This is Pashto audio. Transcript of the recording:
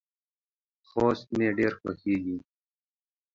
خوست مې ډیر خوښیږي.